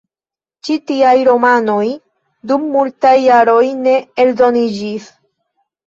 Ĉi tiaj romanoj dum multaj jaroj ne eldoniĝis.